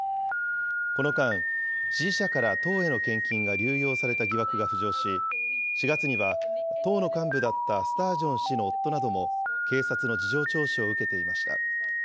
この間、支持者から党への献金が流用された疑惑が浮上し、４月には党の幹部だったスタージョン氏の夫なども、警察の事情聴取を受けていました。